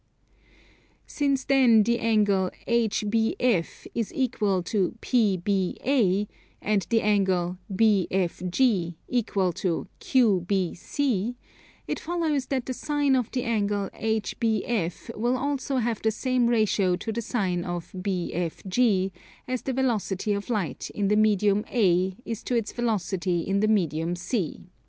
Since then the angle HBF is equal to PBA, and the angle BFG equal to QBC, it follows that the sine of the angle HBF will also have the same ratio to the sine of BFG, as the velocity of light in the medium A is to its velocity in the medium C.